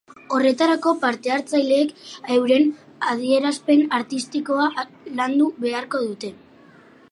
Horretarako, parte hartzaileek euren adierazpen artistikoa landu beharko dute.